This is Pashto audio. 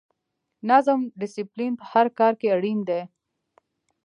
نظم او ډسپلین په هر کار کې اړین دی.